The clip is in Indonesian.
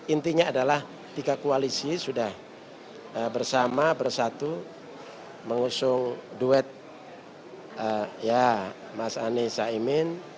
intinya adalah tiga koalisi sudah bersama bersatu mengusung duet mas anies caimin